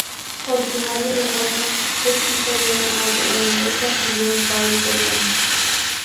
Originario de Hoorn, es hijo de una madre holandesa y de un padre italiano.